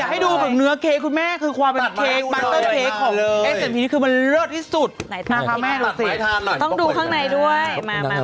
ไหนตั้งไหนป่ะต้องดูข้างในด้วยมาติดตรงไว้